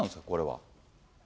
これは。